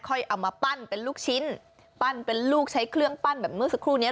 เอามาปั้นเป็นลูกชิ้นปั้นเป็นลูกใช้เครื่องปั้นแบบเมื่อสักครู่นี้